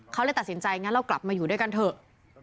เขาเลยตัดสินใจงั้นเรากลับมาอยู่ด้วยกันเถอะ